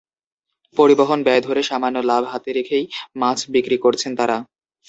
পরিবহন ব্যয় ধরে সামান্য লাভ হাতে রেখেই মাছ বিক্রি করছেন তাঁরা।